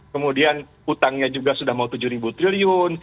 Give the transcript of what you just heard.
kemudian utangnya juga sudah mau tujuh ribu triliun